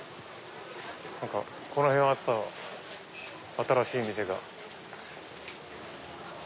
この辺はやっぱ新しい店が。